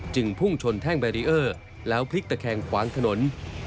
พุ่งชนแท่งแบรีเออร์แล้วพลิกตะแคงขวางถนน